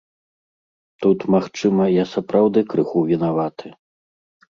Тут, магчыма, я сапраўды крыху вінаваты.